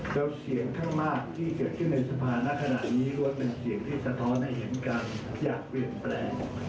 แล้วเสียงข้างมากที่เกิดขึ้นในสภาณขณะนี้ก็เป็นเสียงที่สะท้อนให้เห็นกันอยากเปลี่ยนแปลง